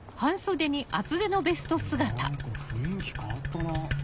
何か雰囲気変わったな。